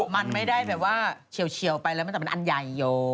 ไม่ได้แบบว่าเฉียวไปแล้วแต่มันอันใหญ่โย